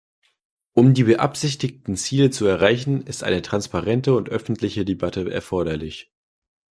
Um die beabsichtigten Ziele zu erreichen, ist eine transparente und öffentliche Debatte erforderlich.